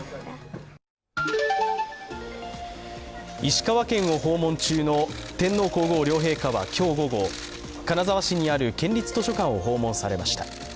石川県を訪問中の天皇皇后両陛下は今日午後金沢市にある県立図書館を訪問されました。